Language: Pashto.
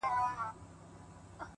د گران صفت كومه _